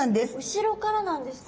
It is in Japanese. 後ろからなんですか。